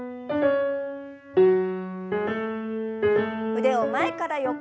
腕を前から横へ。